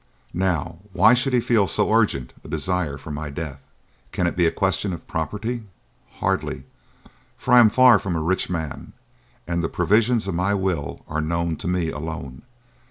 Now, why should he feel so urgent a desire for my death? Can it be a question of property? Hardly; for I am far from a rich man, and the provisions of my will are known to me alone.